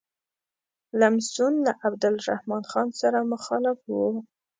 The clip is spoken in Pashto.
لمسون له عبدالرحمن خان سره مخالف شو.